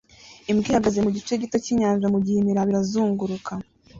Imbwa ihagaze mu gice gito cy'inyanja mugihe imiraba irazunguruka